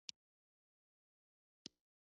افغانستان د مزارشریف له مخې پېژندل کېږي.